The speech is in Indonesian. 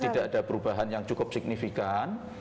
tidak ada perubahan yang cukup signifikan